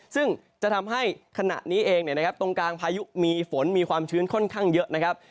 ซึ่งจะทำให้ขณะนี้เองตรงกลางพายุมีฝนมีความชื้นค่อนข้างเยอะนะครับ